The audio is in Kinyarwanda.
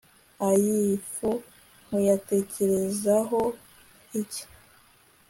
ayi fu muyatekerezaho iki